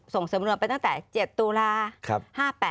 ส่งสำนวนไปตั้งแต่๗ตุลา๕๘